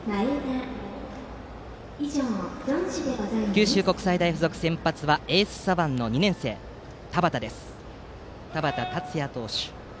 九州国際大付属、先発はエース左腕の２年生田端竜也投手。